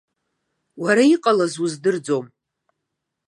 Уара иҟалаз уздырӡом!?